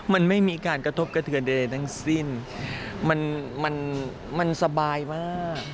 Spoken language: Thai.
มันไม่มีการกระทบกระเทือนใดทั้งสิ้นมันมันสบายมาก